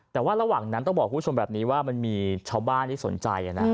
แต่ว่าระหว่างนั้นต้องบอกคุณผู้ชมแบบนี้ว่ามันมีชาวบ้านที่สนใจนะ